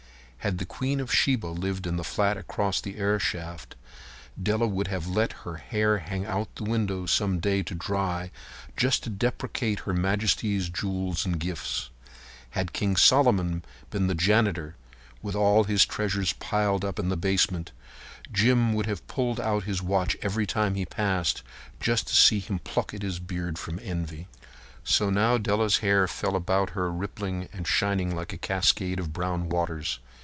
Had the queen of Sheba lived in the flat across the airshaft, Della would have let her hair hang out the window some day to dry just to depreciate Her Majesty's jewels and gifts. Had King Solomon been the janitor, with all his treasures piled up in the basement, Jim would have pulled out his watch every time he passed, just to see him pluck at his beard from envy. So now Della's beautiful hair fell about her rippling and shining like a cascade of brown waters.